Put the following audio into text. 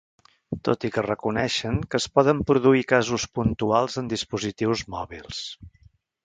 Tot i que reconeixen que es poden produir casos puntuals en dispositius mòbils.